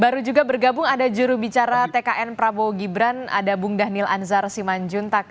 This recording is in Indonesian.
baru juga bergabung ada jurubicara tkn prabowo gibran ada bung daniel anzar simanjuntak